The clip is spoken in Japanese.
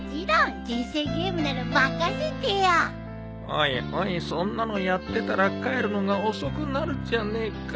おいおいそんなのやってたら帰るのが遅くなるじゃねえか